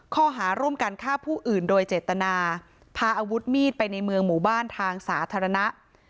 ข้อหาร่วมกันฆ่าผู้อื่นโดยเจตนาพาอาวุธมีดไปในเมืองหมู่บ้านทางสาธารณะ